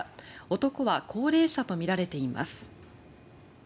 男は高齢者とみられています。